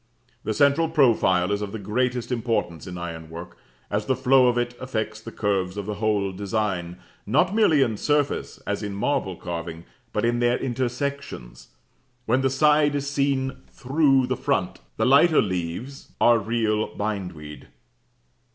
The central profile is of the greatest importance in ironwork, as the flow of it affects the curves of the whole design, not merely in surface, as in marble carving, but in their intersections, when the side is seen through the front. The lighter leaves, b b, are real bindweed.